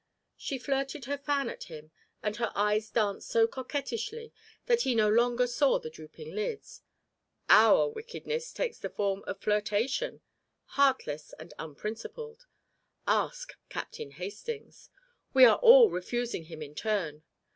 She flirted her fan at him, and her eyes danced so coquettishly that he no longer saw the drooping lids. "Our wickedness takes the form of flirtation, heartless and unprincipled. Ask Captain Hastings. We are all refusing him in turn.